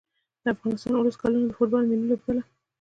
د افغانستان د اولس کلونو د فوټبال ملي لوبډله